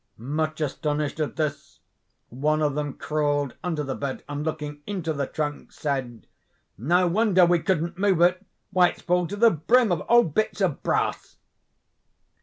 Much astonished at this, one of them crawled under the bed, and looking into the trunk, said: 'No wonder we couldn't move it—why it's full to the brim of old bits of brass!